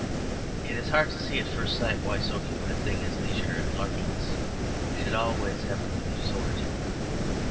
It is hard to see at first sight why so human a thing as leisure and larkiness should always have a religious origin.